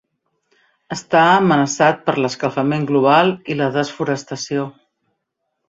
Està amenaçat per l'escalfament global i la desforestació.